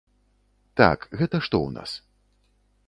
Так, гэта што ў нас.